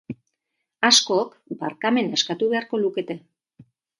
Askok barkamena eskatu beharko lukete.